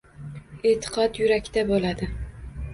E’tiqod — yurakda bo‘ladi.